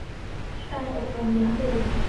การอบรมเลี้ยงดู